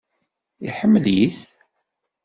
Iḥemmel-it?